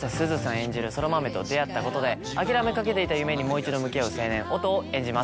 演じる空豆と出会ったことで諦めかけていた夢にもう一度向き合う青年音を演じます。